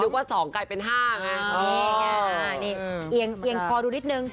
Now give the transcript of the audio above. นึกว่าสองกลายเป็นห้างน่ะนี่ค่ะนี่เอียงเอียงพอดูนิดหนึ่ง